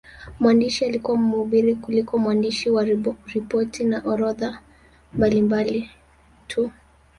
Mwandishi alikuwa mhubiri kuliko mwandishi wa ripoti na orodha mbalimbali tu.